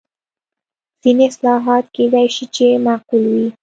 ځینې اصلاحات کېدای شي چې معقول وي.